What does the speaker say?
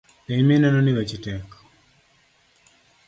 Piny minenoni weche tek .